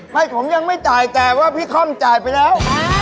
ไม่ผมยังไม่จ่ายแต่ว่าพี่ค่อมจ่ายไปแล้ว